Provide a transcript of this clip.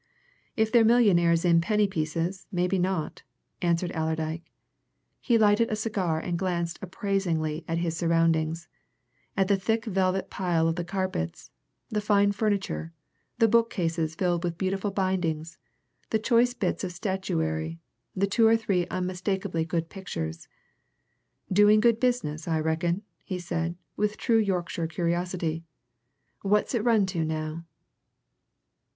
"If they're millionaires in penny pieces, maybe not," answered Allerdyke. He lighted a cigar and glanced appraisingly at his surroundings at the thick velvet pile of the carpets, the fine furniture, the bookcases filled with beautiful bindings, the choice bits of statuary, the two or three unmistakably good pictures. "Doing good business, I reckon?" he said, with true Yorkshire curiosity. "What's it run to, now?"